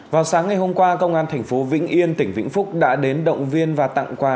vào sáng ngày hôm qua công an thành phố vĩnh yên tỉnh vĩnh phúc đã đến động viên và tặng quà